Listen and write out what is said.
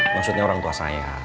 maksudnya orang tua saya